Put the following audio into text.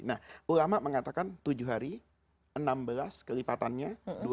nah ulama mengatakan tujuh hari enam belas kelipatannya dua puluh satu